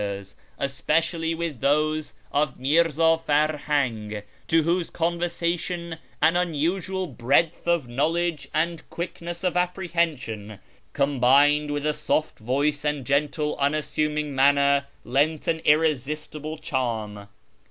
rs, especially with those of Mi'rzii, Farhang, to whose conversation an unusual breadth of knowledge and quickness of apprehension, combined with a soft voice and gentle unassuming manner, lent an irresistible charm.